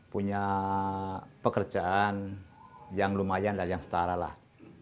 punya pekerjaan yang lumayanlah yang setara lah